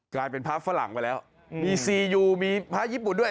กลายเป็นพระฝรั่งไปแล้วมีซียูมีพระญี่ปุ่นด้วย